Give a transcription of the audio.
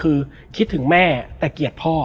แล้วสักครั้งหนึ่งเขารู้สึกอึดอัดที่หน้าอก